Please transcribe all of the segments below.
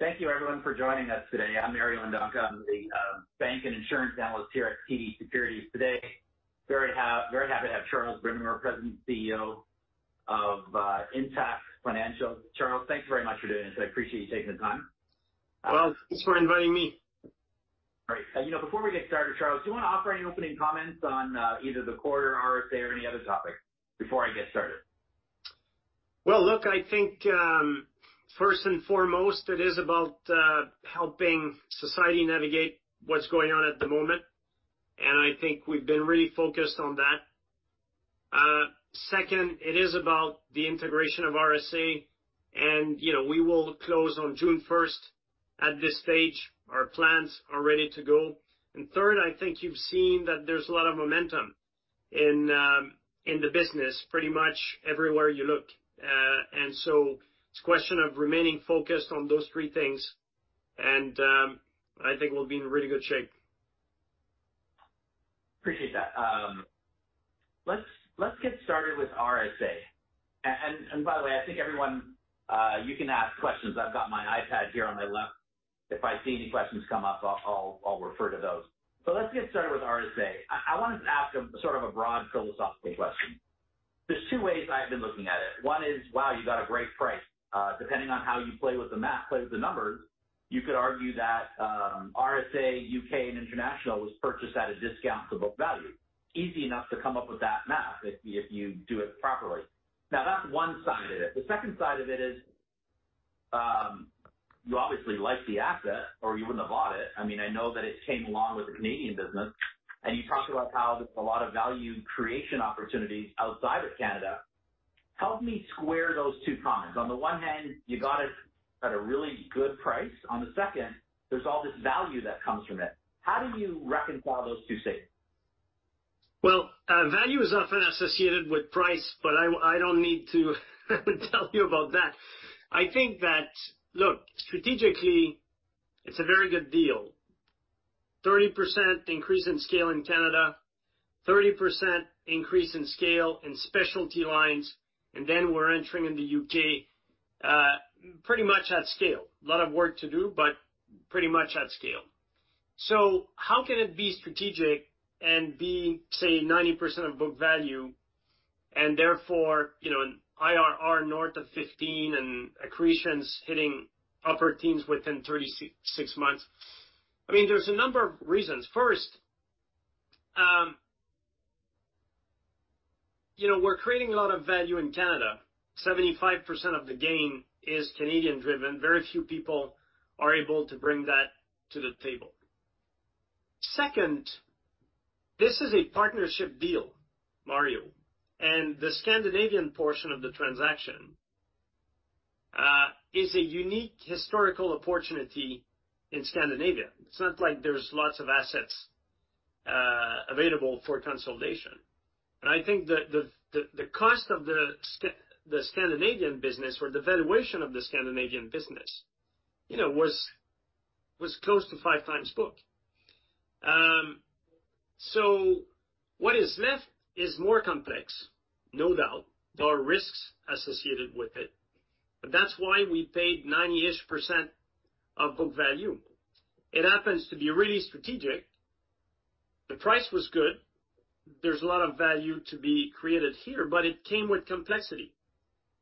Thank you everyone for joining us today. I'm Mario Mendonca, I'm the bank and insurance analyst here at TD Securities today. Very happy to have Charles Brindamour, President and CEO of Intact Financial. Charles, thanks very much for doing this. I appreciate you taking the time. Well, thanks for inviting me. All right. You know, before we get started, Charles, do you want to offer any opening comments on either the quarter or is there any other topic before I get started? Well, look, I think, first and foremost, it is about helping society navigate what's going on at the moment, and I think we've been really focused on that. Second, it is about the integration of RSA, and, you know, we will close on June 1st. At this stage, our plans are ready to go. And third, I think you've seen that there's a lot of momentum in the business, pretty much everywhere you look. And so it's a question of remaining focused on those three things, and, I think we'll be in really good shape. Appreciate that. Let's get started with RSA. And by the way, I think everyone, you can ask questions. I've got my iPad here on my left. If I see any questions come up, I'll refer to those. So let's get started with RSA. I wanted to ask a sort of broad, philosophical question. There's two ways I've been looking at it. One is, wow, you got a great price. Depending on how you play with the math, play with the numbers, you could argue that, RSA U.K. and International was purchased at a discount to book value. Easy enough to come up with that math if you do it properly. Now, that's one side of it. The second side of it is, you obviously like the asset or you wouldn't have bought it. I mean, I know that it came along with the Canadian business, and you talked about how there's a lot of value and creation opportunities outside of Canada. Help me square those two comments. On the one hand, you got it at a really good price. On the second, there's all this value that comes from it. How do you reconcile those two statements? Well, value is often associated with price, but I don't need to tell you about that. I think that... look, strategically, it's a very good deal. 30% increase in scale in Canada, 30% increase in scale in specialty lines, and then we're entering in the U.K., pretty much at scale. A lot of work to do, but pretty much at scale. So how can it be strategic and be, say, 90% of book value, and therefore, you know, an IRR north of 15% and accretion's hitting upper teens within 36 months? I mean, there's a number of reasons. First, you know, we're creating a lot of value in Canada. 75% of the gain is Canadian driven. Very few people are able to bring that to the table. Second, this is a partnership deal, Mario, and the Scandinavian portion of the transaction is a unique historical opportunity in Scandinavia. It's not like there's lots of assets available for consolidation. And I think the cost of the Scandinavian business or the valuation of the Scandinavian business, you know, was close to 5x book. So what is left is more complex. No doubt, there are risks associated with it, but that's why we paid 90%-ish of book value. It happens to be really strategic. The price was good. There's a lot of value to be created here, but it came with complexity,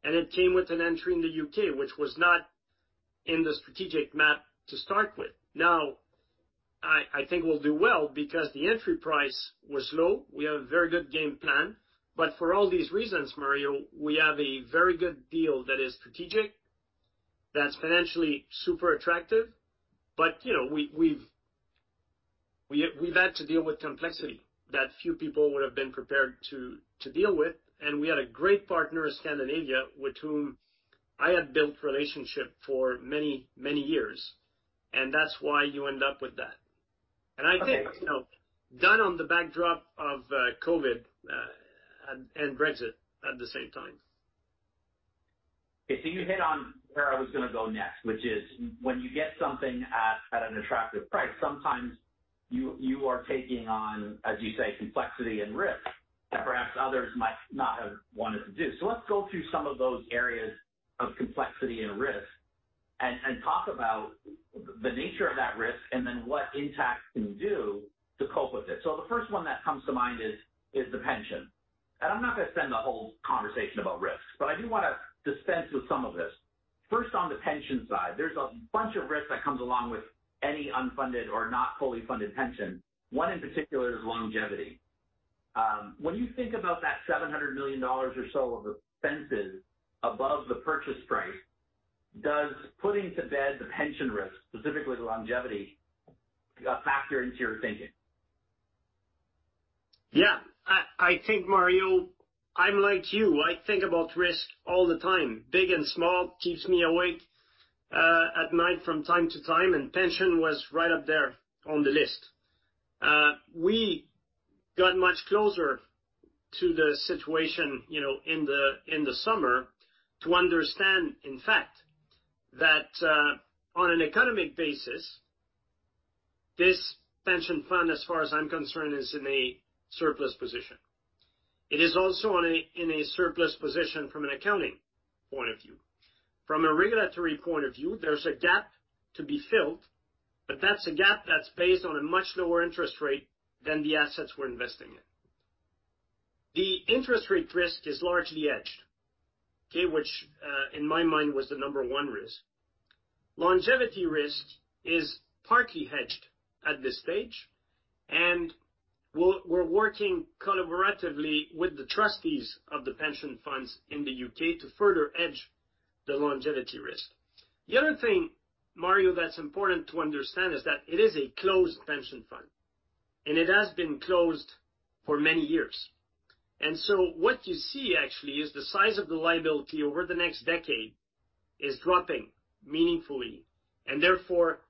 and it came with an entry in the U.K., which was not in the strategic map to start with. Now, I think we'll do well because the entry price was low. We have a very good game plan, but for all these reasons, Mario, we have a very good deal that is strategic, that's financially super attractive, but, you know, we've had to deal with complexity that few people would have been prepared to deal with. And we had a great partner in Scandinavia, with whom I had built relationship for many, many years, and that's why you end up with that. Okay. I think, you know, done on the backdrop of COVID and Brexit at the same time. Okay, so you hit on where I was gonna go next, which is when you get something at, at an attractive price, sometimes you, you are taking on, as you say, complexity and risk that perhaps others might not have wanted to do. So let's go through some of those areas of complexity and risk, and, and talk about the nature of that risk and then what Intact can do to cope with it. So the first one that comes to mind is, is the pension. And I'm not going to spend the whole conversation about risks, but I do want to dispense with some of this. First, on the pension side, there's a bunch of risks that comes along with any unfunded or not fully funded pension. One in particular is longevity. When you think about that 700 million dollars or so of expenses above the purchase price, does putting to bed the pension risk, specifically the longevity, a factor into your thinking? Yeah. I think, Mario, I'm like you. I think about risk all the time, big and small. Keeps me awake at night from time to time, and pension was right up there on the list. We got much closer to the situation, you know, in the summer to understand, in fact, that on an economic basis this pension plan, as far as I'm concerned, is in a surplus position. It is also in a surplus position from an accounting point of view. From a regulatory point of view, there's a gap to be filled, but that's a gap that's based on a much lower interest rate than the assets we're investing in. The interest rate risk is largely hedged, okay, which in my mind, was the number one risk. Longevity risk is partly hedged at this stage, and we're working collaboratively with the trustees of the pension funds in the U.K. to further hedge the longevity risk. The other thing, Mario, that's important to understand is that it is a closed pension fund, and it has been closed for many years. And so what you see actually is the size of the liability over the next decade is dropping meaningfully, and therefore,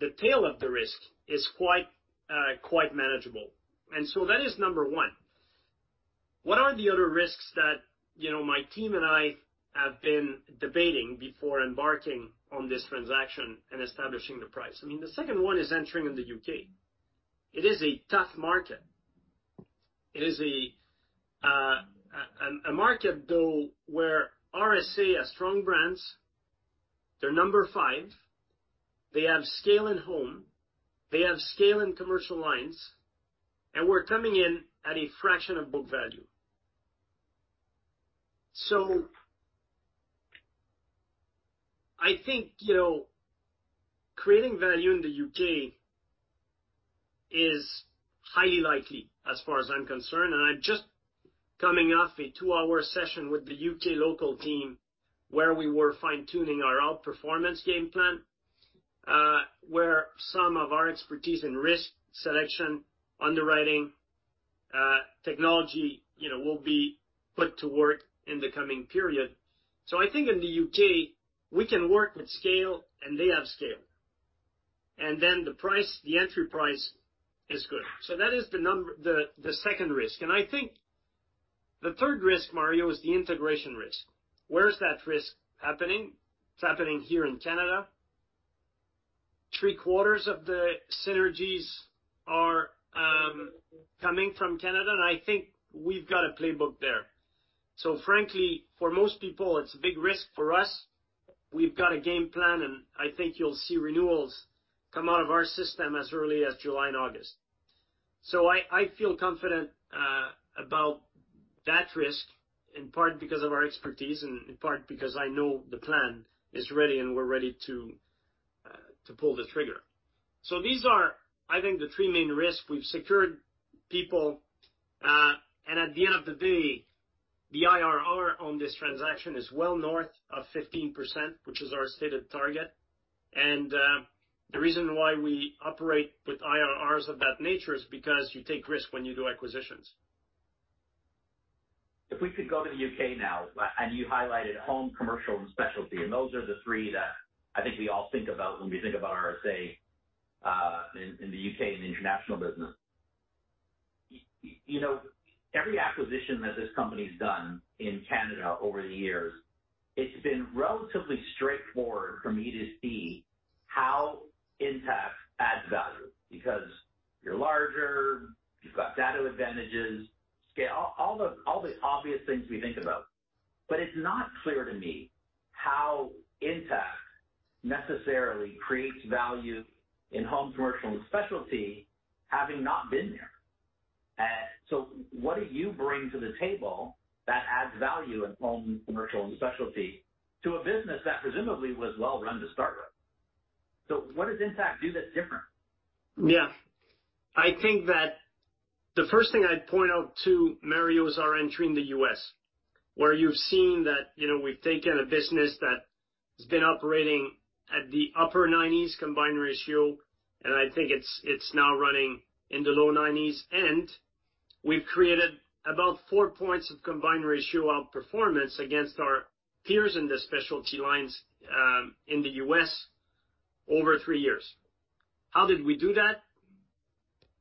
the tail of the risk is quite manageable. And so that is number one. What are the other risks that, you know, my team and I have been debating before embarking on this transaction and establishing the price? I mean, the second one is entering in the U.K. It is a tough market. It is a market though, where RSA has strong brands. They're number five, they have scale in home, they have scale in commercial lines, and we're coming in at a fraction of book value. So I think, you know, creating value in the U.K. is highly likely, as far as I'm concerned, and I'm just coming off a two-hour session with the U.K. local team, where we were fine-tuning our outperformance game plan, where some of our expertise in risk selection, underwriting, technology, you know, will be put to work in the coming period. So I think in the U.K., we can work with scale, and they have scale. And then the price, the entry price is good. So that is the second risk. And I think the third risk, Mario, is the integration risk. Where is that risk happening? It's happening here in Canada. 3/4 of the synergies are coming from Canada, and I think we've got a playbook there. So frankly, for most people, it's a big risk for us. We've got a game plan, and I think you'll see renewals come out of our system as early as July and August. So I feel confident about that risk, in part because of our expertise and in part because I know the plan is ready, and we're ready to pull the trigger. So these are, I think, the three main risks. We've secured people, and at the end of the day, the IRR on this transaction is well north of 15%, which is our stated target. And the reason why we operate with IRRs of that nature is because you take risk when you do acquisitions. If we could go to the U.K. now, and you highlighted home, commercial, and specialty, and those are the three that I think we all think about when we think about RSA, in the U.K. and international business. You know, every acquisition that this company's done in Canada over the years, it's been relatively straightforward for me to see how Intact adds value, because you're larger, you've got data advantages, scale, all the obvious things we think about. But it's not clear to me how Intact necessarily creates value in home, commercial, and specialty, having not been there. So what do you bring to the table that adds value in home, commercial, and specialty to a business that presumably was well run to start with? So what does Intact do that's different? Yeah. I think that the first thing I'd point out, too, Mario, is our entry in the U.S., where you've seen that, you know, we've taken a business that has been operating at the upper 90s combined ratio, and I think it's now running in the low 90s. And we've created about four points of combined ratio outperformance against our peers in the specialty lines in the U.S. over three years. How did we do that?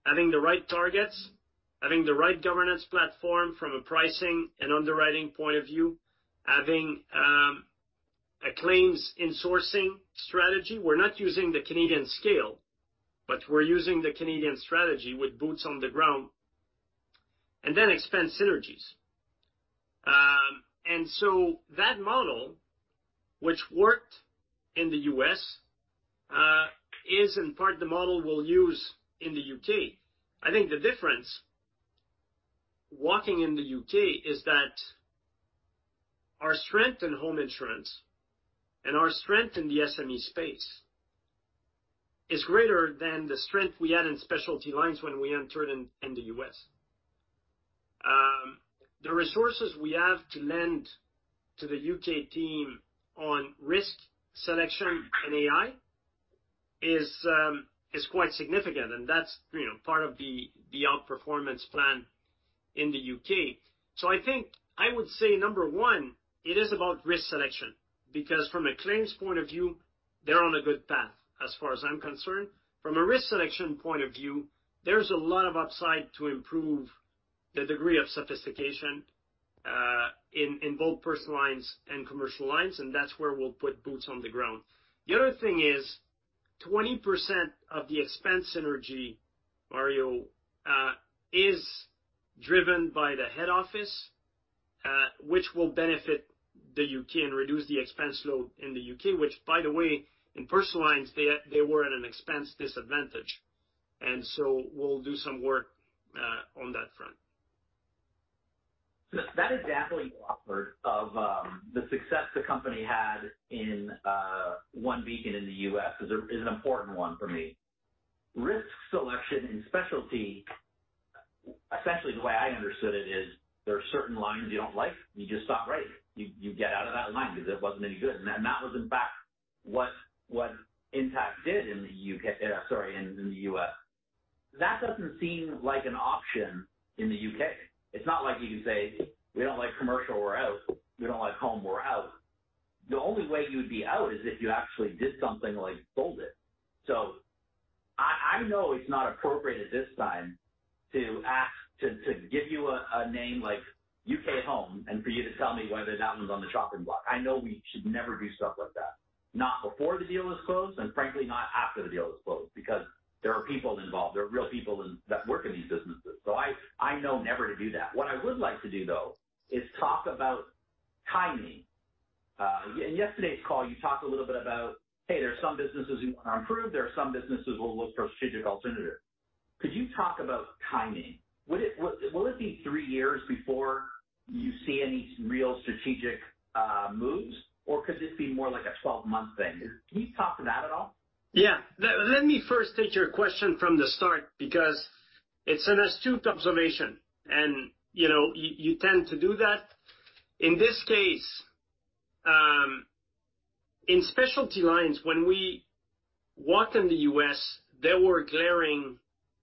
Having the right targets, having the right governance platform from a pricing and underwriting point of view, having a claims insourcing strategy. We're not using the Canadian scale, but we're using the Canadian strategy with boots on the ground, and then expense synergies. And so that model, which worked in the U.S., is in part the model we'll use in the U.K. I think the difference walking in the U.K. is that our strength in home insurance and our strength in the SME space is greater than the strength we had in specialty lines when we entered in the U.S. The resources we have to lend to the U.K. team on risk selection and AI is quite significant, and that's, you know, part of the outperformance plan in the U.K. So I think I would say, number one, it is about risk selection, because from a claims point of view, they're on a good path as far as I'm concerned. From a risk selection point of view, there's a lot of upside to improve the degree of sophistication in both personal lines and commercial lines, and that's where we'll put boots on the ground. The other thing is, 20% of the expense synergy, Mario, is driven by the head office, which will benefit the U.K. and reduce the expense load in the U.K., which, by the way, in personal lines, they, they were at an expense disadvantage. And so we'll do some work on that front. That example you offered of, the success the company had in, OneBeacon in the U.S. is a, is an important one for me. Risk selection in specialty, essentially, the way I understood it is, there are certain lines you don't like, you just stop writing. You get out of that line because it wasn't any good. And that was, in fact, what Intact did in the U.K., in the U.S. That doesn't seem like an option in the U.K. It's not like you can say, "We don't like commercial, we're out. We don't like home, we're out." The only way you would be out is if you actually did something like sold it. So I know it's not appropriate at this time to ask to give you a name like U.K. Home, and for you to tell me whether that one's on the chopping block. I know we should never do stuff like that, not before the deal is closed, and frankly, not after the deal is closed, because there are people involved. There are real people in that work in these businesses, so I know never to do that. What I would like to do, though, is talk about timing. In yesterday's call, you talked a little bit about, "Hey, there are some businesses we want to improve. There are some businesses we'll look for strategic alternative." Could you talk about timing? Would it be three years before you see any real strategic moves, or could this be more like a 12-month thing? Can you talk to that at all? Yeah. Let me first take your question from the start, because it's an astute observation, and, you know, you tend to do that. In this case, in specialty lines, when we walked in the U.S., there were glaring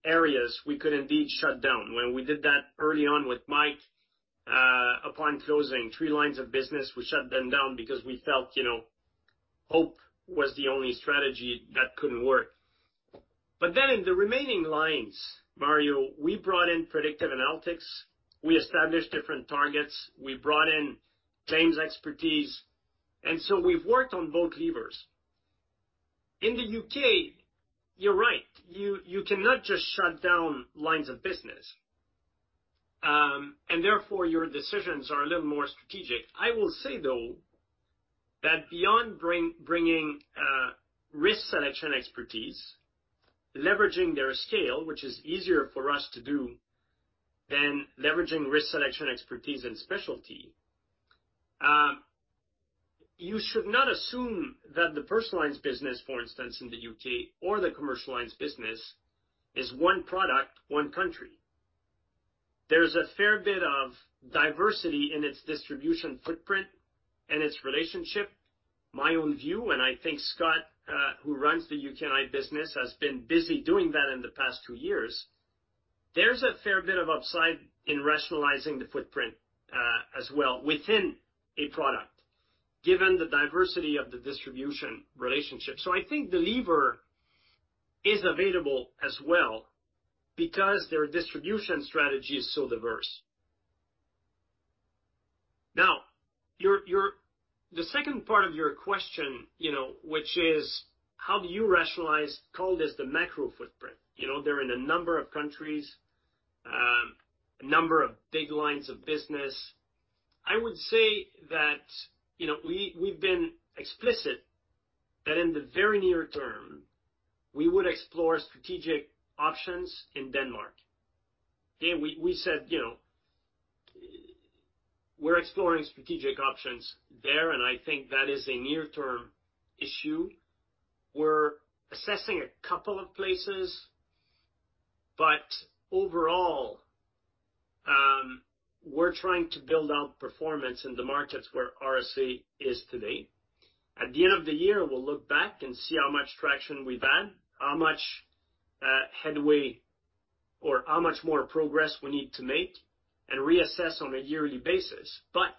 areas we could indeed shut down. When we did that early on with Mike, upon closing three lines of business, we shut them down because we felt, you know, hope was the only strategy that couldn't work. But then in the remaining lines, Mario, we brought in predictive analytics, we established different targets, we brought in claims expertise, and so we've worked on both levers. In the U.K., you're right. You cannot just shut down lines of business, and therefore, your decisions are a little more strategic. I will say, though, that beyond bringing risk selection expertise, leveraging their scale, which is easier for us to do than leveraging risk selection expertise and specialty, you should not assume that the personal lines business, for instance, in the U.K., or the commercial lines business, is one product, one country. There's a fair bit of diversity in its distribution footprint and its relationship. My own view, and I think Scott, who runs the UK&I business, has been busy doing that in the past two years, there's a fair bit of upside in rationalizing the footprint, as well, within a product, given the diversity of the distribution relationship. So I think the lever is available as well because their distribution strategy is so diverse. Now, the second part of your question, you know, which is how do you rationalize, call this the macro footprint? You know, they're in a number of countries, a number of big lines of business. I would say that, you know, we've been explicit that in the very near term, we would explore strategic options in Denmark. Okay, we said, you know, we're exploring strategic options there, and I think that is a near-term issue. We're assessing a couple of places, but overall, we're trying to build out performance in the markets where RSA is today. At the end of the year, we'll look back and see how much traction we've had, how much headway or how much more progress we need to make and reassess on a yearly basis. But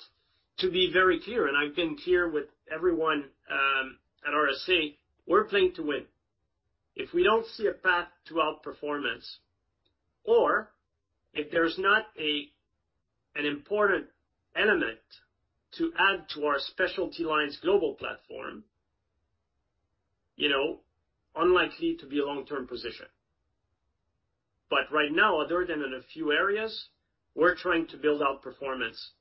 to be very clear, and I've been clear with everyone, at RSA, we're playing to win. If we don't see a path to outperformance or if there's not an important element to add to our specialty lines global platform, you know, unlikely to be a long-term position. But right now, other than in a few areas, we're trying to build out performance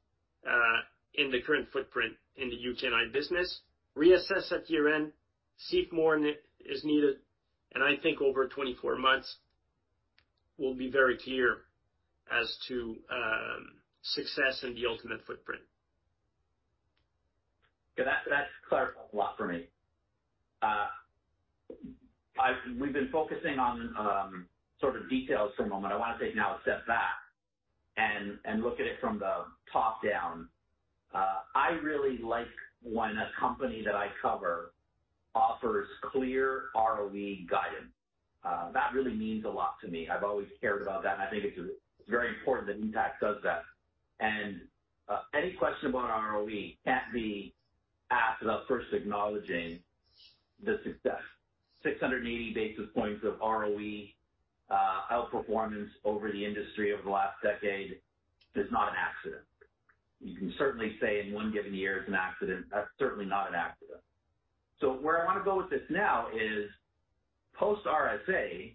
in the current footprint in the U.K. and I business, reassess at year-end, seek more if any is needed, and I think over 24 months, we'll be very clear as to success and the ultimate footprint. Yeah, that clarifies a lot for me. We've been focusing on, sort of details for a moment. I want to take now a step back and look at it from the top down. I really like when a company that I cover offers clear ROE guidance. That really means a lot to me. I've always cared about that, and I think it's very important that Intact does that. Any question about ROE can't be asked without first acknowledging the success. 680 basis points of ROE outperformance over the industry over the last decade is not an accident. You can certainly say in one given year it's an accident. That's certainly not an accident. So where I wanna go with this now is post RSA,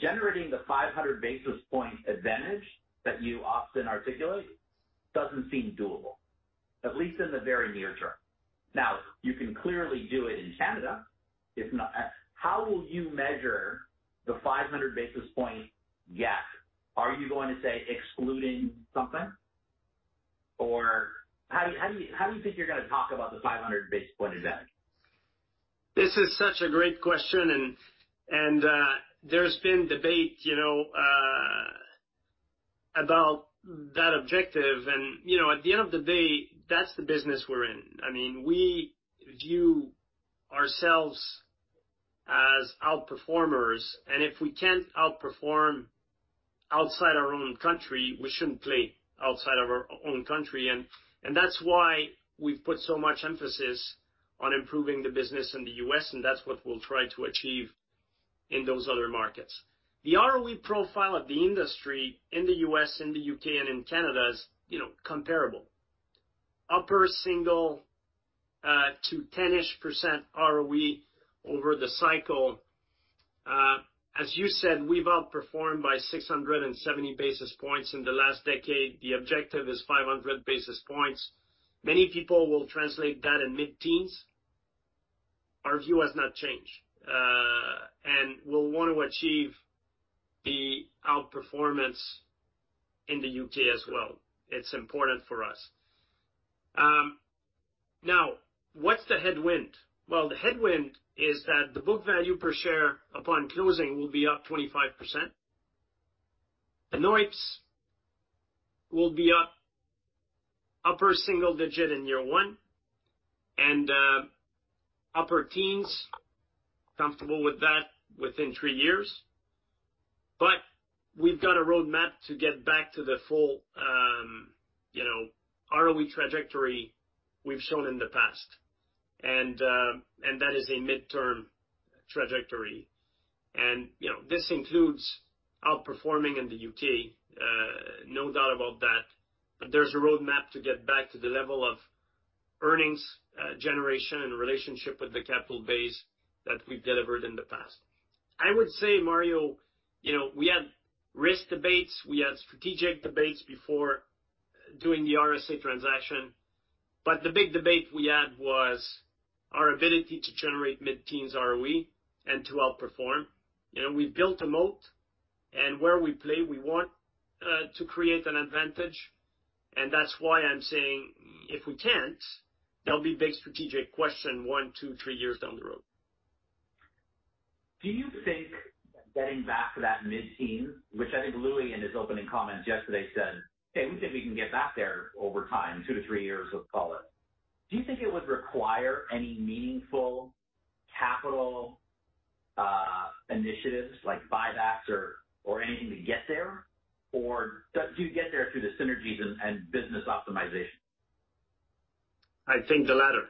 generating the 500 basis point advantage that you often articulate doesn't seem doable, at least in the very near term. Now, you can clearly do it in Canada, if not— How will you measure the 500 basis point gap? Are you going to say excluding something, or how, how do you, how do you think you're gonna talk about the 500 basis point advantage? This is such a great question, and there's been debate, you know, about that objective. And, you know, at the end of the day, that's the business we're in. I mean, we view ourselves as outperformers, and if we can't outperform outside our own country, we shouldn't play outside of our own country. And that's why we've put so much emphasis on improving the business in the U.S., and that's what we'll try to achieve in those other markets. The ROE profile of the industry in the U.S., in the U.K., and in Canada is, you know, comparable. Upper single to 10%-ish ROE over the cycle. As you said, we've outperformed by 670 basis points in the last decade. The objective is 500 basis points. Many people will translate that in mid-teens. Our view has not changed, and we'll want to achieve the outperformance in the U.K. as well. It's important for us. Now, what's the headwind? Well, the headwind is that the book value per share upon closing will be up 25%. The NOIPS will be up upper single digit in year one, and upper teens, comfortable with that within three years. But we've got a roadmap to get back to the full, you know, ROE trajectory we've shown in the past, and that is a midterm trajectory. And, you know, this includes outperforming in the U.K., no doubt about that. But there's a roadmap to get back to the level of earnings, generation and relationship with the capital base that we've delivered in the past. I would say, Mario, you know, we had risk debates, we had strategic debates before doing the RSA transaction, but the big debate we had was our ability to generate mid-teens ROE and to outperform. You know, we've built a moat, and where we play, we want to create an advantage, and that's why I'm saying if we can't, there'll be big strategic question one, two, three years down the road. Do you think getting back to that mid-teen, which I think Louis, in his opening comments yesterday, said, "Hey, we think we can get back there over time, 2-3 years, let's call it." Do you think it would require any meaningful capital initiatives like buybacks or anything to get there? Or do you get there through the synergies and business optimization? I think the latter.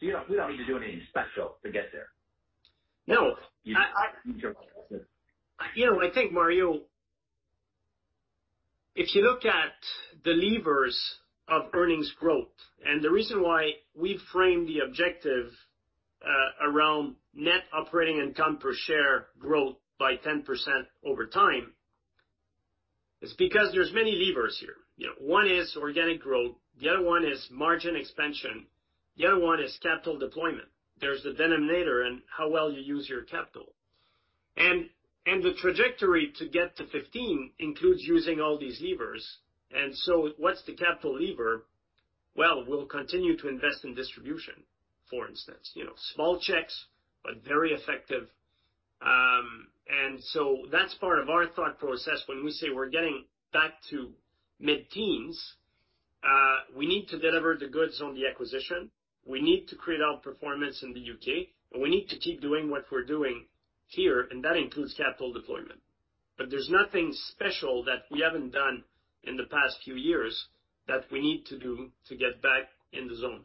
You don't need to do anything special to get there? No, I— You're confident. You know, I think, Mario, if you look at the levers of earnings growth and the reason why we've framed the objective, around net operating income per share growth by 10% over time, is because there's many levers here. You know, one is organic growth, the other one is margin expansion, the other one is capital deployment. There's the denominator and how well you use your capital. And, and the trajectory to get to 15 includes using all these levers. And so what's the capital lever? Well, we'll continue to invest in distribution, for instance, you know, small checks, but very effective. and so that's part of our thought process when we say we're getting back to mid-teens, we need to deliver the goods on the acquisition, we need to create outperformance in the U.K., and we need to keep doing what we're doing here, and that includes capital deployment. But there's nothing special that we haven't done in the past few years that we need to do to get back in the zone.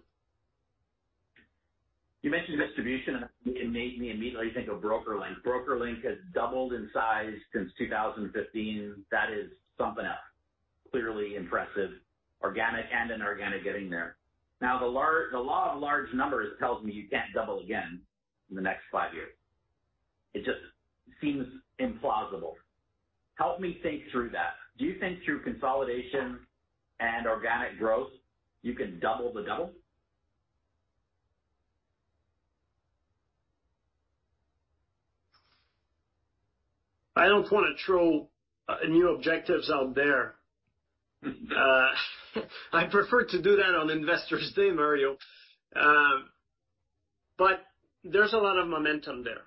You mentioned distribution, and it made me immediately think of BrokerLink. BrokerLink has doubled in size since 2015. That is something else, clearly impressive, organic and inorganic, getting there. Now, the law of large numbers tells me you can't double again in the next five years. It just seems implausible. Help me think through that. Do you think through consolidation and organic growth, you can double the double? I don't wanna throw new objectives out there. I prefer to do that on Investors Day, Mario. But there's a lot of momentum there.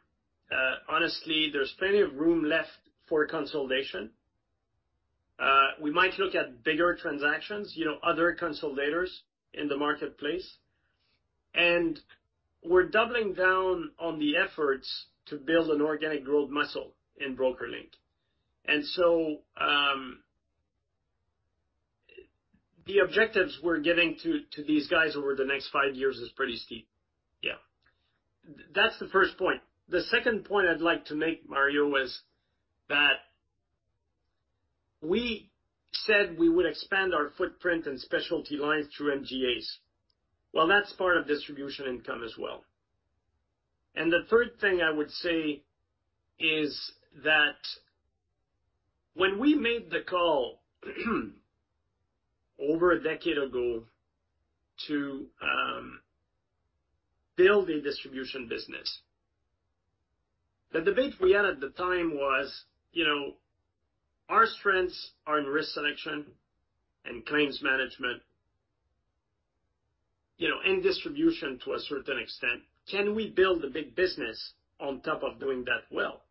Honestly, there's plenty of room left for consolidation. We might look at bigger transactions, you know, other consolidators in the marketplace. And we're doubling down on the efforts to build an organic growth muscle in BrokerLink. And so, the objectives we're giving to these guys over the next five years is pretty steep. Yeah. That's the first point. The second point I'd like to make, Mario, is that we said we would expand our footprint and specialty lines through MGAs. Well, that's part of distribution income as well. The third thing I would say is that when we made the call, over a decade ago, to build a distribution business, the debate we had at the time was, you know, our strengths are in risk selection and claims management, you know, and distribution to a certain extent. Can we build a big business on top of doing that well?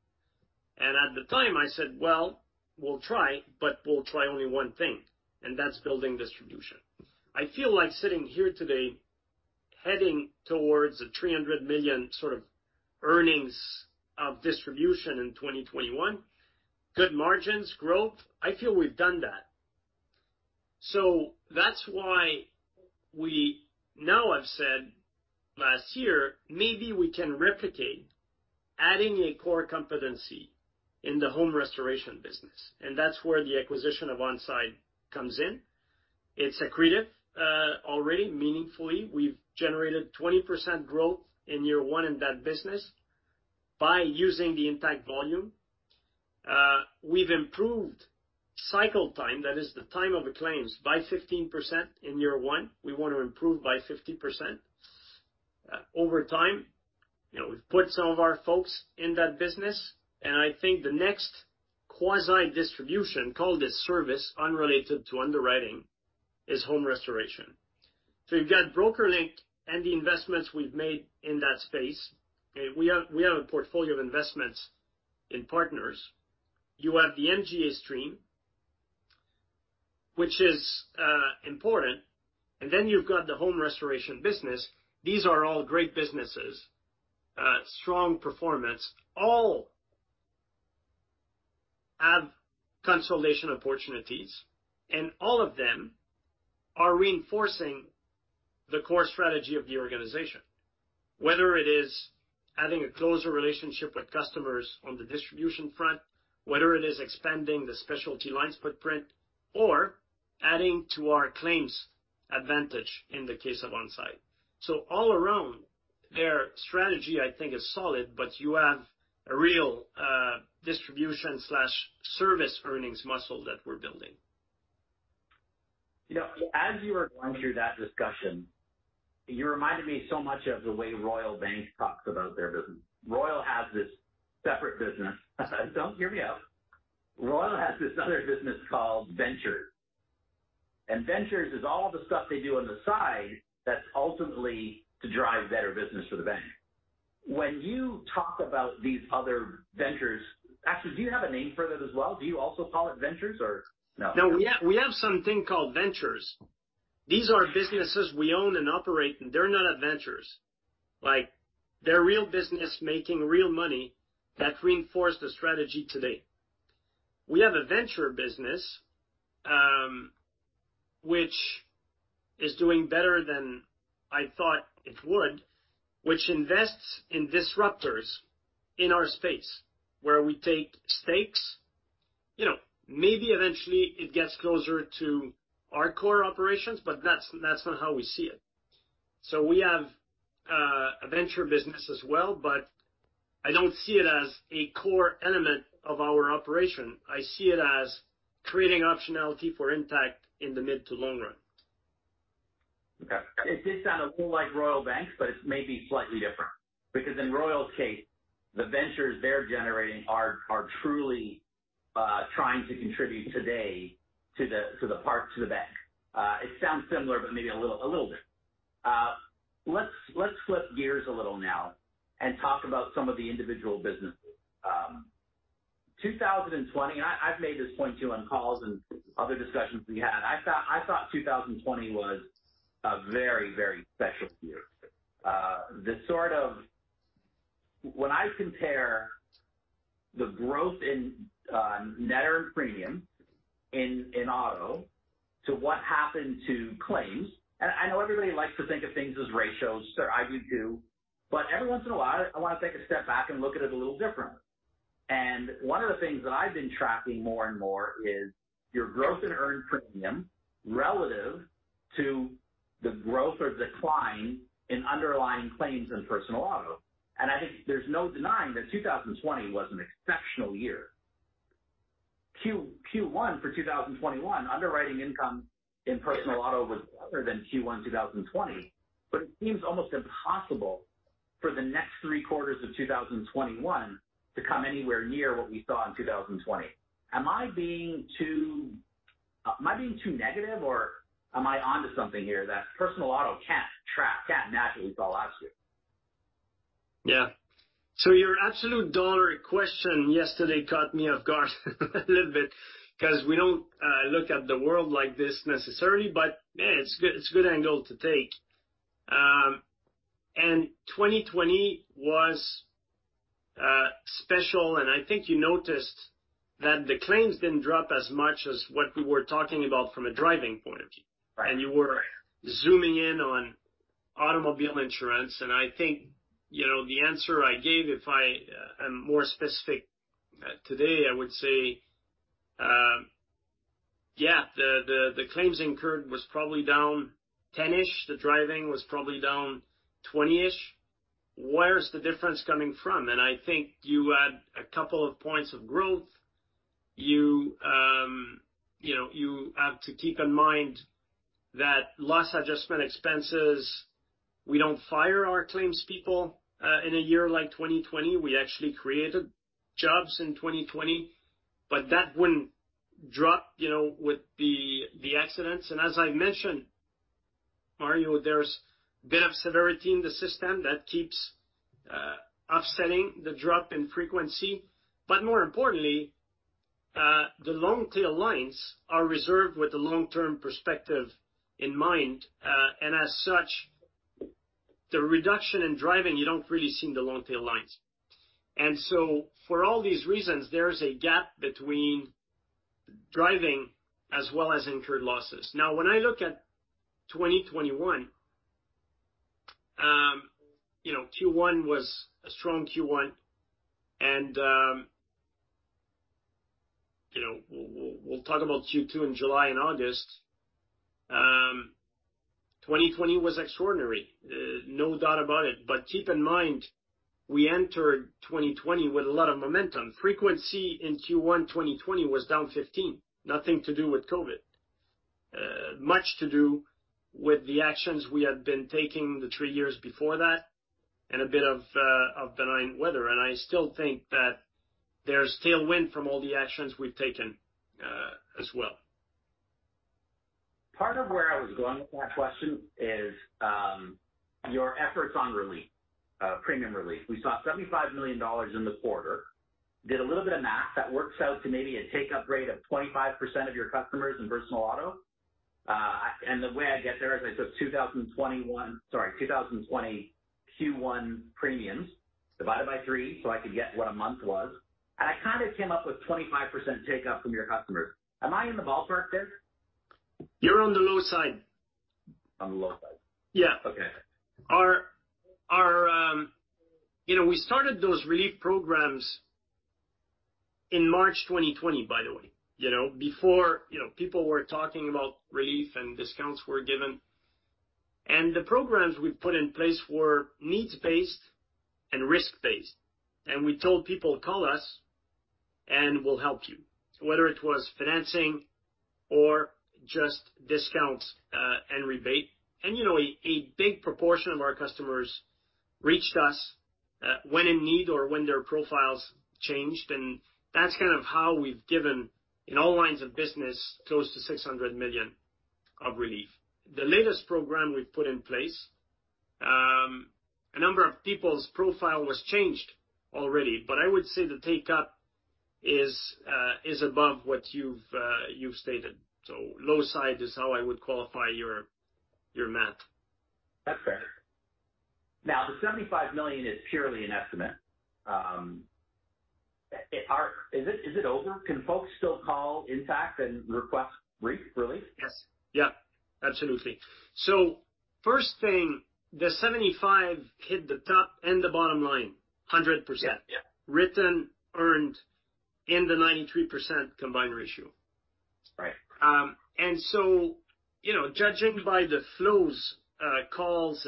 At the time, I said, "Well, we'll try, but we'll try only one thing, and that's building distribution." I feel like sitting here today, heading towards 300 million sort of earnings of distribution in 2021, good margins, growth, I feel we've done that. That's why we now have said last year, maybe we can replicate adding a core competency in the home restoration business, and that's where the acquisition of On Side comes in. It's accretive, already, meaningfully. We've generated 20% growth in year one in that business by using the Intact volume. We've improved cycle time, that is the time of the claims, by 15% in year one. We want to improve by 50%, over time. You know, we've put some of our folks in that business, and I think the next quasi distribution, call it service unrelated to underwriting, is home restoration. So you've got BrokerLink and the investments we've made in that space. We have, we have a portfolio of investments in partners. You have the MGA stream, which is, important, and then you've got the home restoration business. These are all great businesses, strong performance. All have consolidation opportunities, and all of them are reinforcing the core strategy of the organization. Whether it is adding a closer relationship with customers on the distribution front, whether it is expanding the specialty lines footprint or adding to our claims advantage in the case of On Side. So all around, their strategy, I think, is solid, but you have a real distribution/service earnings muscle that we're building. You know, as you were going through that discussion, you reminded me so much of the way Royal Bank talks about their business. Royal has this separate business, so hear me out. Royal has this other business called Ventures, and Ventures is all the stuff they do on the side that's ultimately to drive better business for the bank. When you talk about these other Ventures—actually, do you have a name for that as well? Do you also call it Ventures or no? No, we have, we have something called Ventures. These are businesses we own and operate, and they're not adventures. Like, they're real business making real money that reinforce the strategy today. We have a Venture business, which is doing better than I thought it would, which invests in disruptors in our space, where we take stakes. You know, maybe eventually it gets closer to our core operations, but that's, that's not how we see it. So we have a Venture business as well, but I don't see it as a core element of our operation. I see it as creating optionality for Intact in the mid to long run. Okay. It did sound a little like Royal Bank, but it may be slightly different, because in Royal's case, the ventures they're generating are truly trying to contribute today to the part to the bank. It sounds similar, but maybe a little different. Let's flip gears a little now and talk about some of the individual businesses. 2020, I've made this point, too, on calls and other discussions we had. I thought 2020 was a very, very special year. When I compare the growth in net earned premium in auto to what happened to claims, and I know everybody likes to think of things as ratios, so I do, too. But every once in a while, I want to take a step back and look at it a little different. And one of the things that I've been tracking more and more is your growth in earned premium relative to the growth or decline in underlying claims in personal auto. And I think there's no denying that 2020 was an exceptional year. Q1 for 2021, underwriting income in personal auto was better than Q1 2020, but it seems almost impossible for the next three quarters of 2021 to come anywhere near what we saw in 2020. Am I being too negative, or am I onto something here, that personal auto can't track, can't naturally fall out to you? Yeah. So your absolute dollar question yesterday caught me off guard a little bit, 'cause we don't look at the world like this necessarily, but, yeah, it's good, it's a good angle to take. And 2020 was special, and I think you noticed that the claims didn't drop as much as what we were talking about from a driving point of view. Right. And you were zooming in on automobile insurance, and I think, you know, the answer I gave, if I am more specific today, I would say, yeah, the claims incurred was probably down 10-ish, the driving was probably down 20-ish. Where is the difference coming from? And I think you had a couple of points of growth. You, you know, you have to keep in mind that loss adjustment expenses, we don't fire our claims people. In a year like 2020, we actually created jobs in 2020, but that wouldn't drop, you know, with the accidents. And as I mentioned, Mario, there's a bit of severity in the system that keeps offsetting the drop in frequency. But more importantly, the long tail lines are reserved with a long-term perspective in mind, and as such, the reduction in driving, you don't really see in the long tail lines. And so for all these reasons, there is a gap between driving as well as incurred losses. Now, when I look at 2021, you know, Q1 was a strong Q1, and, you know, we'll talk about Q2 in July and August. 2020 was extraordinary, no doubt about it. But keep in mind, we entered 2020 with a lot of momentum. Frequency in Q1 2020 was down 15%, nothing to do with COVID, much to do with the actions we had been taking the three years before that, and a bit of benign weather. I still think that there's tailwind from all the actions we've taken, as well. Part of where I was going with that question is, your efforts on relief, premium relief. We saw 75 million dollars in the quarter. Did a little bit of math, that works out to maybe a take-up rate of 25% of your customers in personal auto. And the way I get there is, I took 2021—sorry, 2020 Q1 premiums, divided by three, so I could get what a month was, and I kind of came up with 25% take up from your customers. Am I in the ballpark there? You're on the low side. On the low side? Yeah. Okay. You know, we started those relief programs in March 2020, by the way, you know, before, you know, people were talking about relief and discounts were given. And the programs we've put in place were needs-based and risk-based, and we told people: "Call us, and we'll help you," whether it was financing or just discounts, and rebate. And, you know, a big proportion of our customers reached us, when in need or when their profiles changed, and that's kind of how we've given, in all lines of business, close to 600 million of relief. The latest program we've put in place, a number of people's profile was changed already, but I would say the take-up is, is above what you've, you've stated. So low side is how I would qualify your, your math. That's fair. Now, the 75 million is purely an estimate. Is it over? Can folks still call Intact and request relief? Yes. Yeah, absolutely. So first thing, the 75 million hit the top and the bottom line, 100%. Yeah, yeah. Written, earned, and the 93% combined ratio. Right. You know, judging by the flows, calls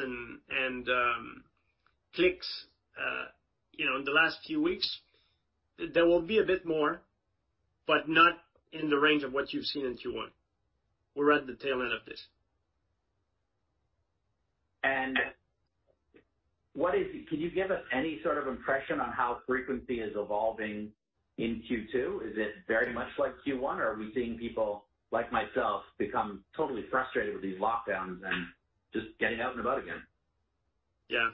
and clicks, you know, in the last few weeks, there will be a bit more, but not in the range of what you've seen in Q1. We're at the tail end of this. Can you give us any sort of impression on how frequency is evolving in Q2? Is it very much like Q1, or are we seeing people, like myself, become totally frustrated with these lockdowns and just getting out and about again? Yeah.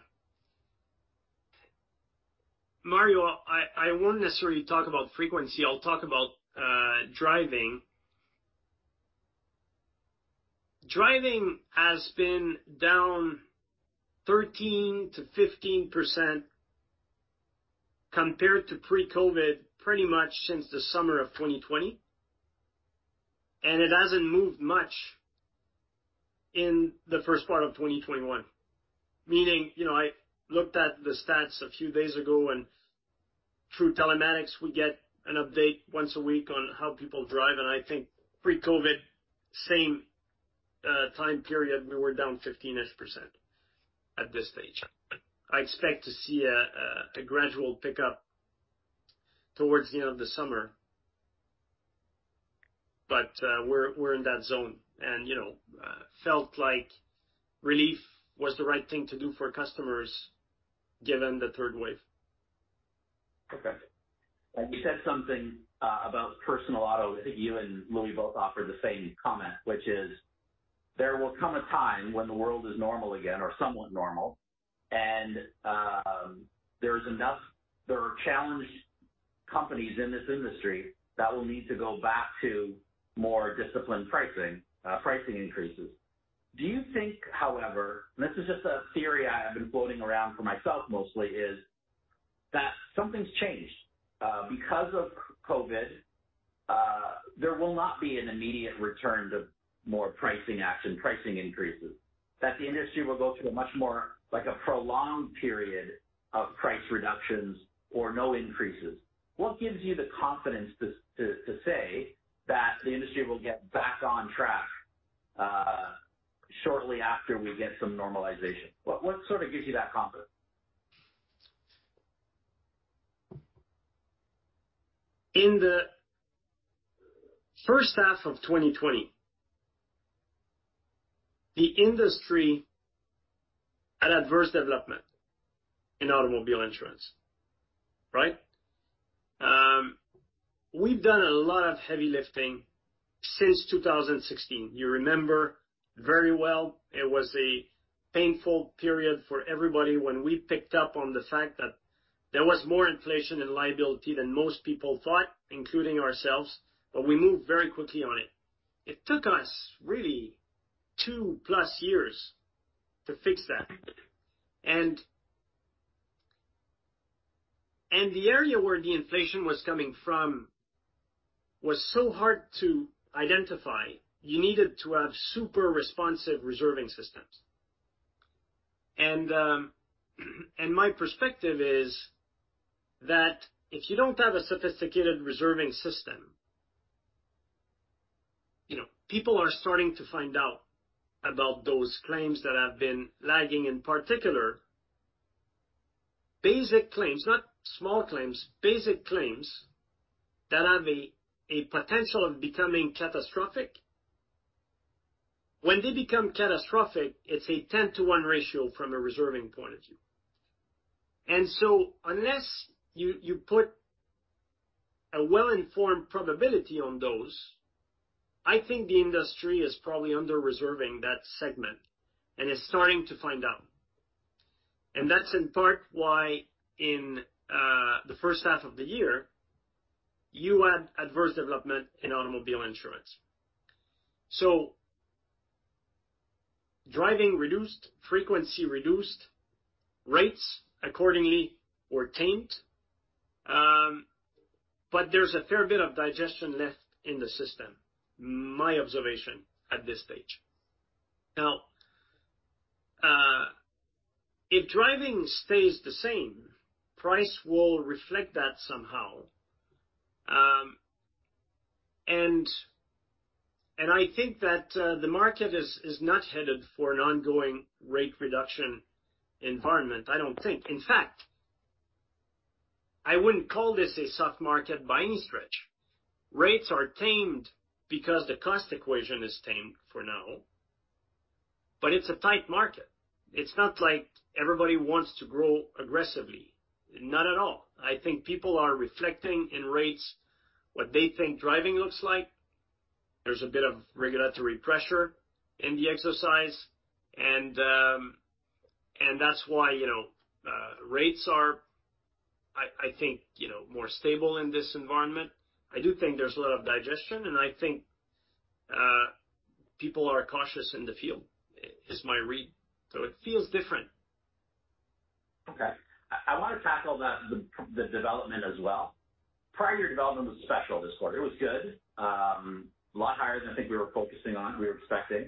Mario, I, I won't necessarily talk about frequency. I'll talk about driving. Driving has been down 13%-15% compared to pre-COVID, pretty much since the summer of 2020, and it hasn't moved much in the first part of 2021. Meaning, you know, I looked at the stats a few days ago, and through telematics, we get an update once a week on how people drive, and I think pre-COVID, same time period, we were down 15%-ish at this stage. I expect to see a gradual pickup towards the end of the summer, but we're, we're in that zone and, you know, felt like relief was the right thing to do for customers, given the third wave. .Okay. And you said something about personal auto. I think you and Louis both offered the same comment, which is: There will come a time when the world is normal again or somewhat normal, and there are enough challenged companies in this industry that will need to go back to more disciplined pricing, pricing increases. Do you think, however, and this is just a theory I have been floating around for myself mostly, is that something's changed. Because of COVID, there will not be an immediate return to more pricing action, pricing increases, that the industry will go through a much more, like, a prolonged period of price reductions or no increases. What gives you the confidence to say that the industry will get back on track, shortly after we get some normalization? What sort of gives you that confidence? In the first half of 2020, the industry had adverse development in automobile insurance, right? We've done a lot of heavy lifting since 2016. You remember very well, it was a painful period for everybody when we picked up on the fact that there was more inflation and liability than most people thought, including ourselves, but we moved very quickly on it. It took us really 2+ years to fix that. And the area where the inflation was coming from was so hard to identify, you needed to have super responsive reserving systems. And my perspective is that if you don't have a sophisticated reserving system, you know, people are starting to find out about those claims that have been lagging, in particular, basic claims, not small claims, basic claims that have a potential of becoming catastrophic. When they become catastrophic, it's a 10-to-1 ratio from a reserving point of view. So unless you put a well-informed probability on those, I think the industry is probably under-reserving that segment and is starting to find out. That's in part why in the first half of the year, you had adverse development in automobile insurance. Driving reduced, frequency reduced, rates accordingly were tamed, but there's a fair bit of digestion left in the system, my observation at this stage. Now, if driving stays the same, price will reflect that somehow. And I think that the market is not headed for an ongoing rate reduction environment, I don't think. In fact, I wouldn't call this a soft market by any stretch. Rates are tamed because the cost equation is tamed for now, but it's a tight market. It's not like everybody wants to grow aggressively. Not at all. I think people are reflecting in rates what they think driving looks like. There's a bit of regulatory pressure in the exercise, and and that's why, you know, rates are, I think, you know, more stable in this environment. I do think there's a lot of digestion, and I think people are cautious in the field, is my read, so it feels different. Okay. I wanna tackle the development as well. Prior year development was special this quarter. It was good, a lot higher than I think we were focusing on, we were expecting.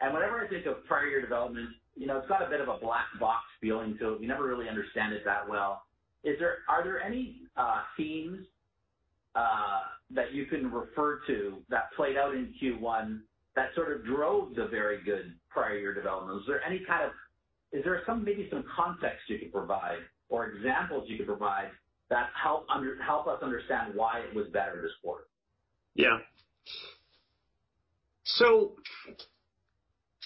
And whenever I think of prior year development, you know, it's got a bit of a black box feeling to it. You never really understand it that well. Are there any themes that you can refer to that played out in Q1 that sort of drove the very good prior year development? Is there any kind of... Is there some, maybe some context you could provide or examples you could provide that help us understand why it was better this quarter? Yeah. So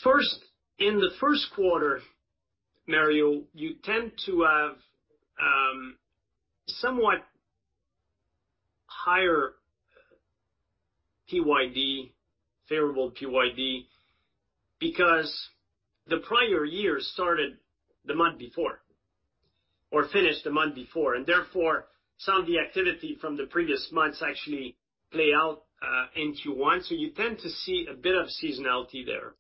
first, in the first quarter, Mario, you tend to have somewhat higher PYD, favorable PYD, because the prior year started the month before, or finished the month before, and therefore, some of the activity from the previous months actually played out in Q1, so you tend to see a bit of seasonality there.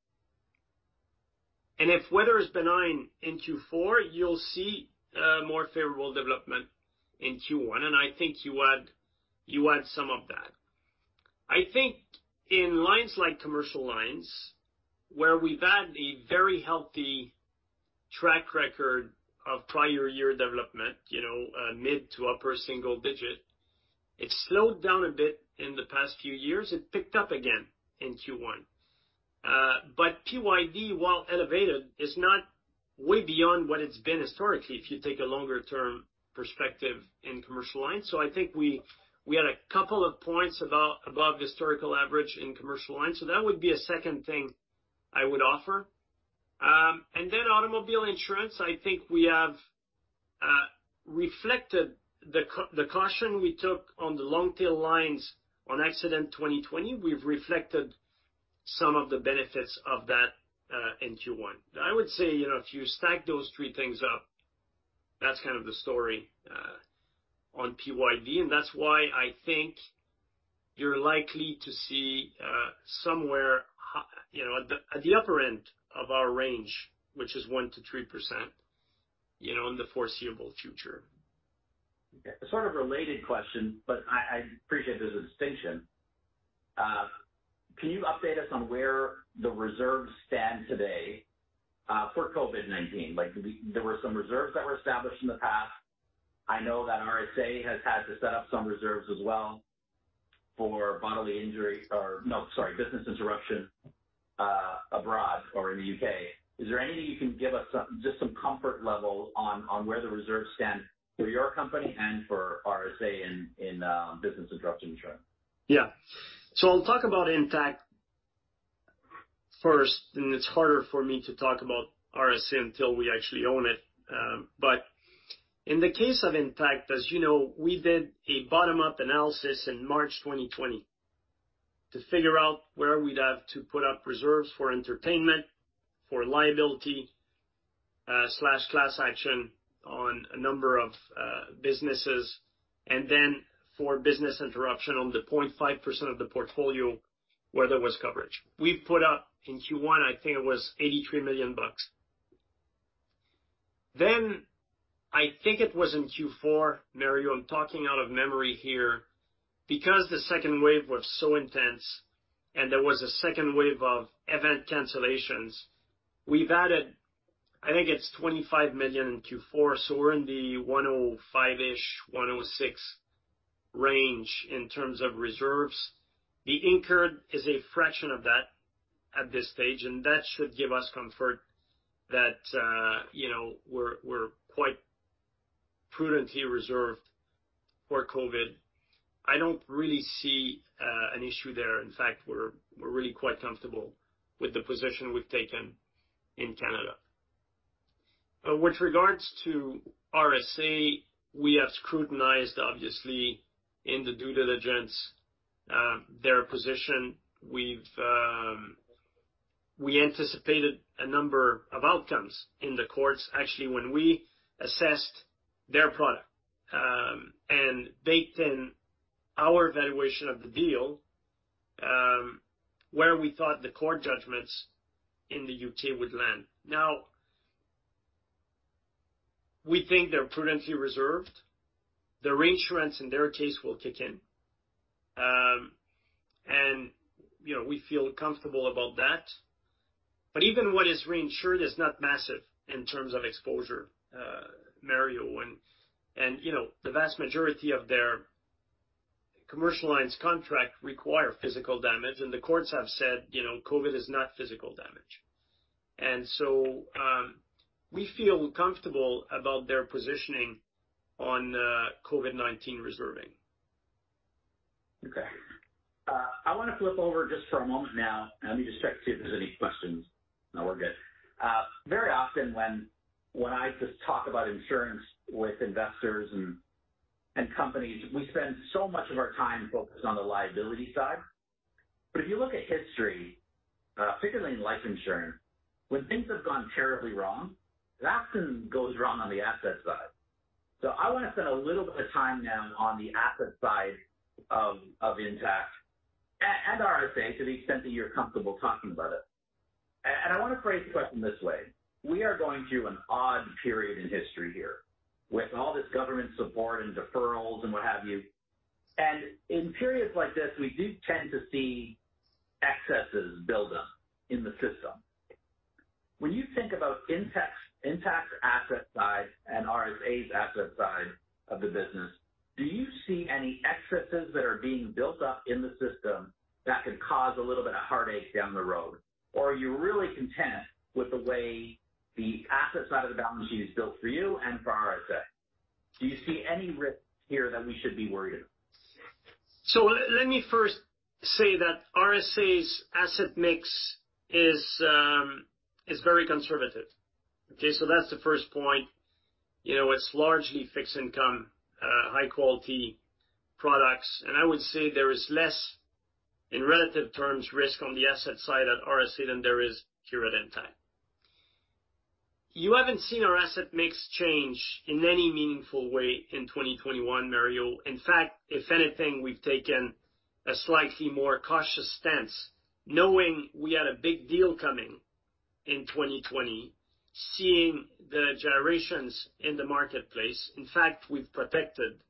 And if weather is benign in Q4, you'll see more favorable development in Q1, and I think you had some of that. I think in lines like commercial lines, where we've had a very healthy track record of prior year development, you know, mid to upper single digit, it slowed down a bit in the past few years. It picked up again in Q1. But PYD, while elevated, is not way beyond what it's been historically, if you take a longer-term perspective in commercial line. So I think we had a couple of points above historical average in commercial line, so that would be a second thing I would offer. And then automobile insurance, I think we have reflected the caution we took on the long tail lines on accident 2020, we've reflected some of the benefits of that in Q1. I would say, you know, if you stack those three things up, that's kind of the story on PYD, and that's why I think you're likely to see, you know, at the upper end of our range, which is 1%-3%, you know, in the foreseeable future. Sort of related question, but I, I appreciate there's a distinction. Can you update us on where the reserves stand today, for COVID-19? Like, there were some reserves that were established in the past. I know that RSA has had to set up some reserves as well for bodily injury or, no, sorry, business interruption, abroad or in the U.K. Is there anything you can give us, just some comfort level on, on where the reserves stand for your company and for RSA in, in, business interruption insurance? Yeah. So I'll talk about Intact first, and it's harder for me to talk about RSA until we actually own it. But in the case of Intact, as you know, we did a bottom-up analysis in March 2020 to figure out where we'd have to put up reserves for entertainment, for liability/class action on a number of businesses, and then for business interruption on the 0.5% of the portfolio where there was coverage. We put up in Q1, I think it was 83 million bucks. Then, I think it was in Q4, Mario, I'm talking out of memory here, because the second wave was so intense and there was a second wave of event cancellations, we've added, I think it's 25 million in Q4, so we're in the 105 million-ish, 106 million range in terms of reserves. The incurred is a fraction of that at this stage, and that should give us comfort that, you know, we're quite prudently reserved for COVID. I don't really see an issue there. In fact, we're really quite comfortable with the position we've taken in Canada. With regards to RSA, we have scrutinized, obviously, in the due diligence, their position. We've anticipated a number of outcomes in the courts, actually, when we assessed their product, and baked in our valuation of the deal, where we thought the court judgments in the U.K. would land. Now, we think they're prudently reserved. The reinsurance in their case will kick in. And, you know, we feel comfortable about that. But even what is reinsured is not massive in terms of exposure, Mario, and, you know, the vast majority of their commercial lines contract require physical damage, and the courts have said, you know, COVID is not physical damage. And so, we feel comfortable about their positioning on COVID-19 reserving. Okay. I want to flip over just for a moment now. Let me just check to see if there's any questions. No, we're good. Very often when I just talk about insurance with investors and companies, we spend so much of our time focused on the liability side. But if you look at history, particularly in life insurance, when things have gone terribly wrong, it often goes wrong on the asset side. So I want to spend a little bit of time now on the asset side of Intact and RSA, to the extent that you're comfortable talking about it. And I want to phrase the question this way: We are going through an odd period in history here, with all this government support and deferrals and what have you. In periods like this, we do tend to see excesses build up in the system. When you think about Intact's asset side and RSA's asset side of the business, do you see any excesses that are being built up in the system that could cause a little bit of heartache down the road? Or are you really content with the way the asset side of the balance sheet is built for you and for RSA? Do you see any risk here that we should be worried of? So let me first say that RSA's asset mix is very conservative. Okay? So that's the first point. You know, it's largely fixed income, high quality products. And I would say there is less, in relative terms, risk on the asset side at RSA than there is here at Intact. You haven't seen our asset mix change in any meaningful way in 2021, Mario. In fact, if anything, we've taken a slightly more cautious stance, knowing we had a big deal coming in 2020, seeing the gyrations in the marketplace. In fact, we've protected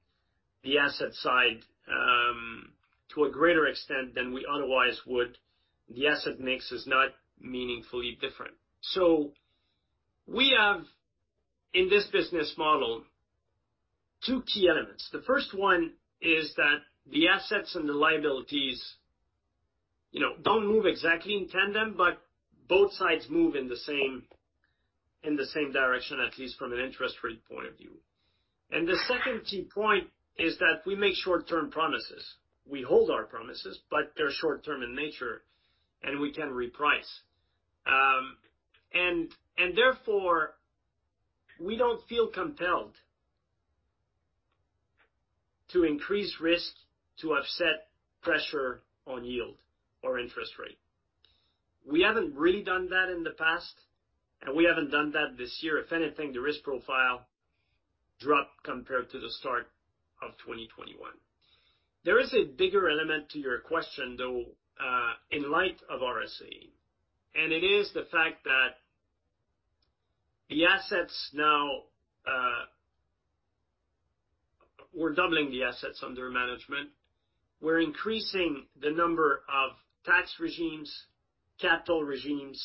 the asset side to a greater extent than we otherwise would. The asset mix is not meaningfully different. So we have, in this business model, two key elements. The first one is that the assets and the liabilities, you know, don't move exactly in tandem, but both sides move in the same direction, at least from an interest rate point of view. And the second key point is that we make short-term promises. We hold our promises, but they're short-term in nature, and we can reprice. Therefore, we don't feel compelled to increase risk to offset pressure on yield or interest rate. We haven't really done that in the past, and we haven't done that this year. If anything, the risk profile dropped compared to the start of 2021. There is a bigger element to your question, though, in light of RSA, and it is the fact that the assets now, we're doubling the assets under management. We're increasing the number of tax regimes, capital regimes,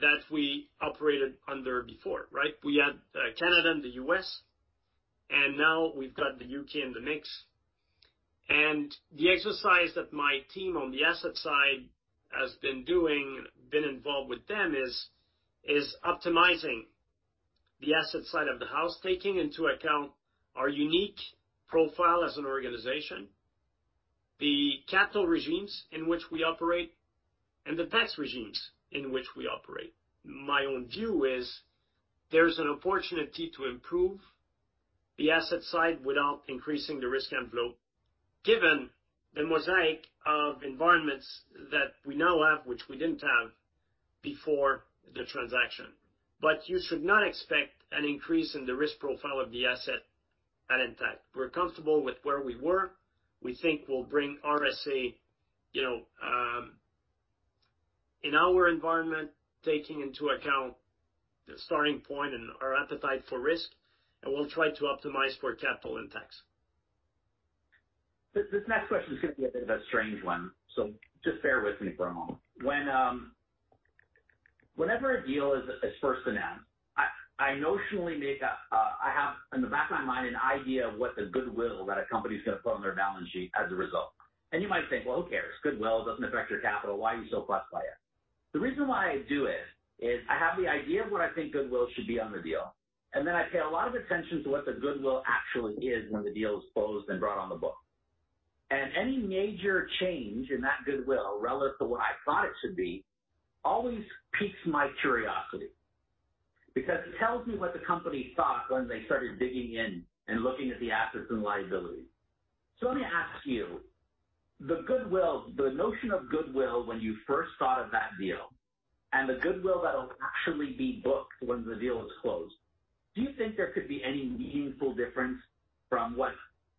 that we operated under before, right? We had, Canada and the U.S., and now we've got the U.K. in the mix. And the exercise that my team on the asset side has been doing, been involved with them, is, is optimizing the asset side of the house, taking into account our unique profile as an organization, the capital regimes in which we operate, and the tax regimes in which we operate. My own view is there's an opportunity to improve the asset side without increasing the risk envelope, given the mosaic of environments that we now have, which we didn't have before the transaction. But you should not expect an increase in the risk profile of the asset at Intact. We're comfortable with where we were. We think we'll bring RSA, you know, in our environment, taking into account the starting point and our appetite for risk, and we'll try to optimize for capital and tax. This next question is gonna be a bit of a strange one, so just bear with me for a moment. When whenever a deal is first announced, I notionally make a... I have, in the back of my mind, an idea of what the goodwill that a company's gonna put on their balance sheet as a result. And you might think, "Well, who cares? Goodwill doesn't affect your capital. Why are you so fussed by it?" The reason why I do it is I have the idea of what I think goodwill should be on the deal, and then I pay a lot of attention to what the goodwill actually is when the deal is closed and brought on the book. And any major change in that goodwill, relative to what I thought it should be, always piques my curiosity, because it tells me what the company thought when they started digging in and looking at the assets and liabilities. So let me ask you, the goodwill, the notion of goodwill when you first thought of that deal and the goodwill that'll actually be booked when the deal is closed, do you think there could be any meaningful difference from what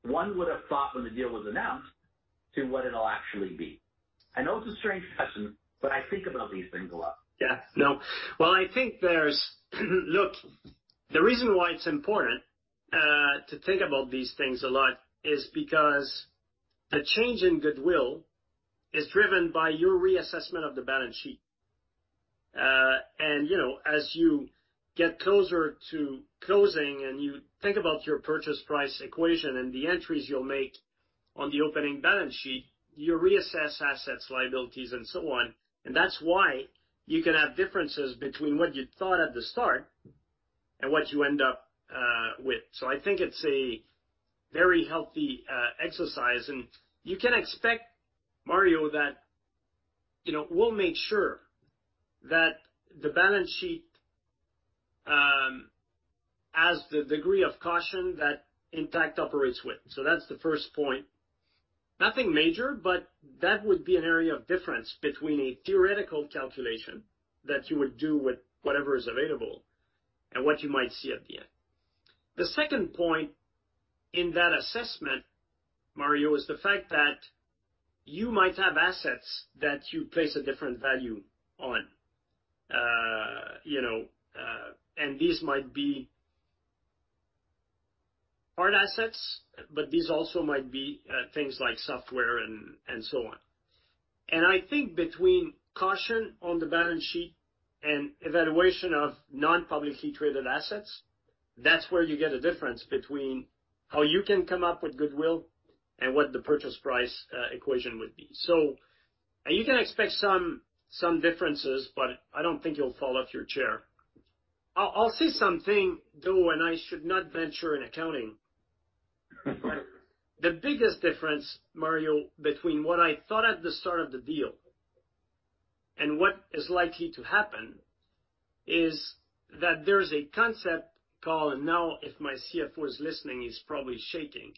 one would have thought when the deal was announced to what it'll actually be? I know it's a strange question, but I think about these things a lot. Yeah. No. Well, I think there's, look, the reason why it's important to think about these things a lot is because a change in goodwill is driven by your reassessment of the balance sheet. And, you know, as you get closer to closing and you think about your purchase price equation and the entries you'll make on the opening balance sheet, you reassess assets, liabilities, and so on, and that's why you can have differences between what you thought at the start and what you end up with. So I think it's a very healthy exercise. And you can expect, Mario, that, you know, we'll make sure that the balance sheet has the degree of caution that Intact operates with. So that's the first point. Nothing major, but that would be an area of difference between a theoretical calculation that you would do with whatever is available and what you might see at the end. The second point in that assessment, Mario, is the fact that you might have assets that you place a different value on. You know, and these might be hard assets, but these also might be, things like software and, and so on. And I think between caution on the balance sheet and evaluation of non-publicly traded assets, that's where you get a difference between how you can come up with goodwill and what the purchase price, equation would be. So you can expect some, some differences, but I don't think you'll fall off your chair. I'll, I'll say something, though, and I should not venture in accounting. But the biggest difference, Mario, between what I thought at the start of the deal and what is likely to happen, is that there is a concept called... And now, if my CFO is listening, he's probably shaking.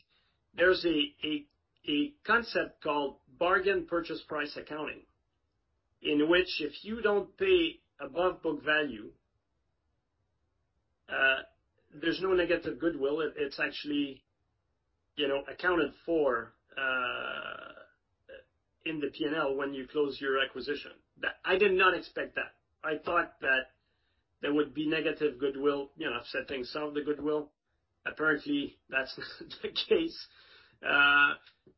There's a concept called bargain purchase price accounting, in which if you don't pay above book value, there's no negative goodwill. It's actually, you know, accounted for in the P&L when you close your acquisition. That. I did not expect that. I thought that there would be negative goodwill, you know, setting some of the goodwill. Apparently, that's the case.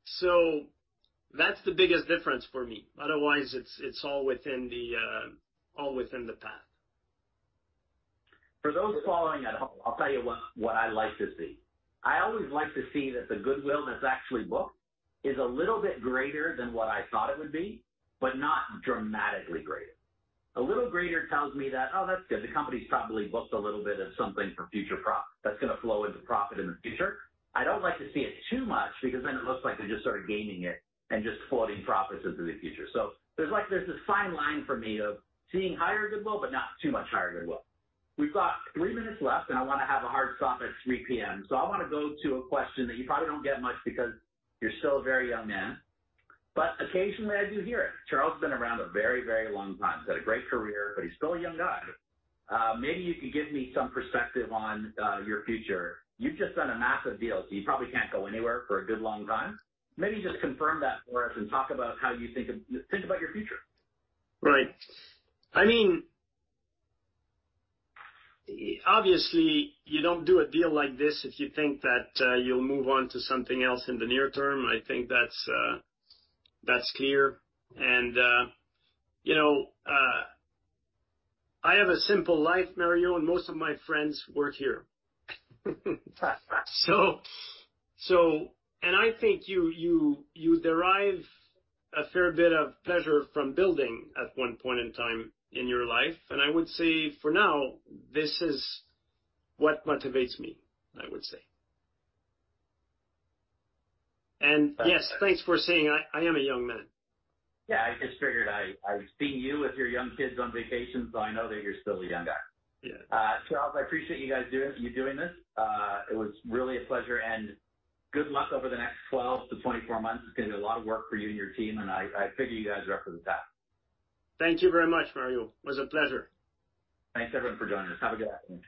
So that's the biggest difference for me. Otherwise, it's all within the path. For those following at home, I'll tell you what I like to see. I always like to see that the goodwill that's actually booked is a little bit greater than what I thought it would be, but not dramatically greater. A little greater tells me that, oh, that's good, the company's probably booked a little bit of something for future profit that's gonna flow into profit in the future. I don't like to see it too much, because then it looks like they're just sort of gaming it and just floating profits into the future. So there's like, there's this fine line for me of seeing higher goodwill, but not too much higher goodwill. We've got three minutes left, and I wanna have a hard stop at 3:00 P.M. So I wanna go to a question that you probably don't get much because you're still a very young man, but occasionally I do hear it. Charles has been around a very, very long time. He's had a great career, but he's still a young guy. Maybe you could give me some perspective on your future. You've just done a massive deal, so you probably can't go anywhere for a good long time. Maybe just confirm that for us and talk about how you think of—think about your future. Right. I mean, obviously, you don't do a deal like this if you think that you'll move on to something else in the near term. I think that's clear. And you know, I have a simple life, Mario, and most of my friends work here. So and I think you derive a fair bit of pleasure from building at one point in time in your life, and I would say, for now, this is what motivates me, I would say. And yes, thanks for saying I am a young man. Yeah, I just figured I've seen you with your young kids on vacation, so I know that you're still a young guy. Yeah. Charles, I appreciate you guys doing, you doing this. It was really a pleasure and good luck over the next 12-24 months. It's gonna be a lot of work for you and your team, and I, I figure you guys are up for the task. Thank you very much, Mario. It was a pleasure. Thanks, everyone, for joining us. Have a good afternoon.